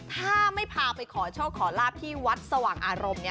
ถ้าไม่พาไปขอโชคขอลาบที่วัดสว่างอารมณ์